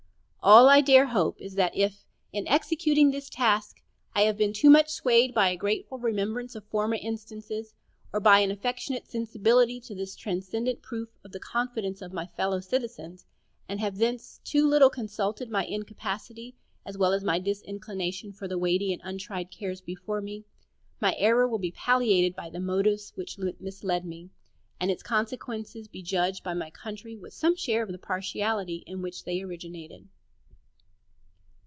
All I dare hope is that if, in executing this task, I have been too much swayed by a grateful remembrance of former instances, or by an affectionate sensibility to this transcendent proof of the confidence of my fellow citizens, and have thence too little consulted my incapacity as well as disinclination for the weighty and untried cares before me, my error will be palliated by the motives which mislead me, and its consequences be judged by my country with some share of the partiality in which they originated.